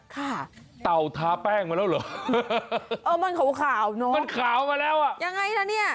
ค่ะเต่าทาแป้งมาแล้วเหรอมันขาวมันขาวมาแล้วยังไงละเนี่ย